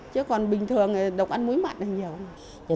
chứ còn bình thường đục ăn mối mặn là nhiều